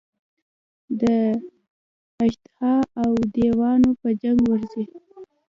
د اژدها او دېوانو په جنګ ورځي.